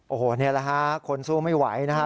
โอ้โหนี่แหละฮะคนสู้ไม่ไหวนะฮะ